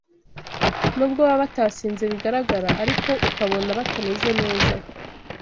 nubwo baba batasinze bigaragara, ariko ukabona batameze neza;